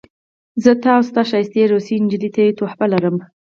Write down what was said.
زه تا او ستا ښایسته روسۍ نجلۍ ته یوه تحفه لرم